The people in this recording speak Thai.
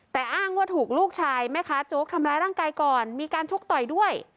แต่อ้างว่าถูกลูกชายแม่ค้าโจ๊กทำร้ายร่างกายก่อนมีการชกต่อยด้วย